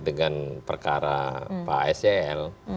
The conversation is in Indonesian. dengan perkara pak sel